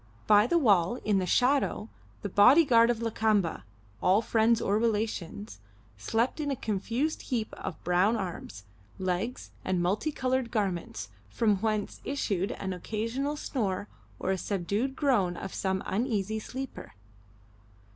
By the wall, in the shadow, the body guard of Lakamba all friends or relations slept in a confused heap of brown arms, legs, and multi coloured garments, from whence issued an occasional snore or a subdued groan of some uneasy sleeper.